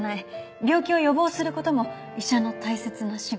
病気を予防する事も医者の大切な仕事。